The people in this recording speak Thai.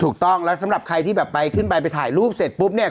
ถูกต้องแล้วสำหรับใครที่แบบไปขึ้นไปไปถ่ายรูปเสร็จปุ๊บเนี่ย